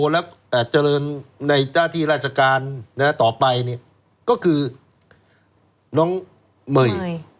แล้วเจริญในหน้าที่ราชการต่อไปก็คือน้องเมย์